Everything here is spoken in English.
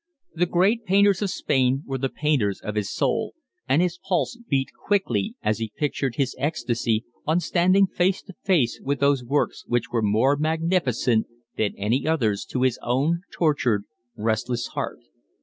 The great painters of Spain were the painters of his soul, and his pulse beat quickly as he pictured his ecstasy on standing face to face with those works which were more significant than any others to his own tortured, restless heart.